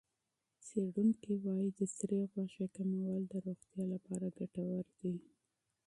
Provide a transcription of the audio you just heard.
څېړونکي وايي د سرې غوښې کمول د روغتیا لپاره ګټور دي.